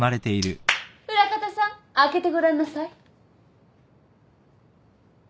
裏方さん開けてごらんなさい。